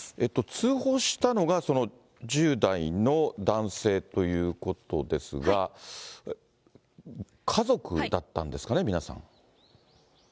通報したのが、１０代の男性ということですが、家族だったんですかね、皆さん。